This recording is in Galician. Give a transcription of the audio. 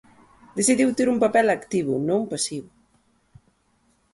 Decidiu ter un papel activo, non pasivo.